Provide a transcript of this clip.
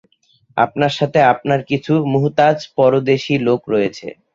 আপনার সাথে আপনার কিছু মুহতাজ পরদেশী লোক রয়েছে।